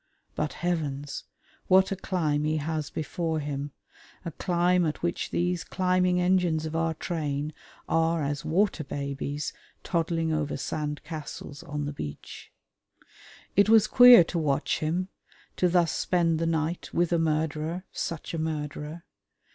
But heavens! what a climb he has before him, a climb at which these climbing engines of our train are as water babies toddling over sand castles on the beach. It was queer to watch him, to thus spend the night with a murderer, such a murderer!